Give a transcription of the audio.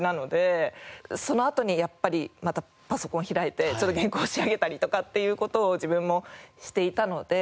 そのあとにやっぱりまたパソコン開いてちょっと原稿仕上げたりとかっていう事を自分もしていたので。